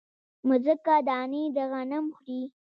مځکه دانې د غنم خوري